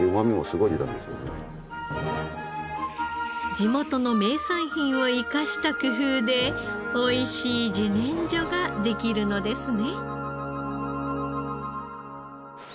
地元の名産品を生かした工夫で美味しい自然薯ができるのですね。